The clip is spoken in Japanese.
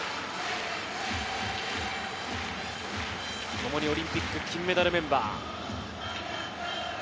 ともにオリンピック金メダルメンバー。